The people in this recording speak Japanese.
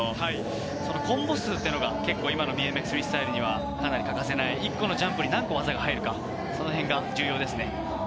コンボ数というのが結構、今のＢＭＸには欠かせない１個のジャンプに何個の技が入るのかが重要です。